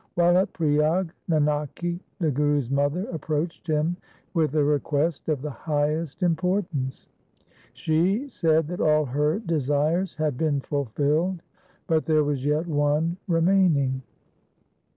While at Priyag, Nanaki, the Guru's mother, approached him with a request of the highest importance. She said that all her de sires had been fulfilled, but there was yet one remaining.